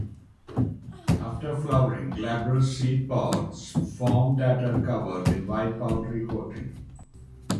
After flowering glabrous seed pods form that are covered in white powdery coating.